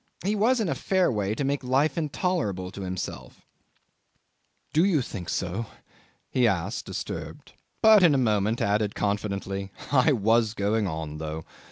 He was in a fair way to make life intolerable to himself ... "Do you think so?" he asked, disturbed; but in a moment added confidently, "I was going on though.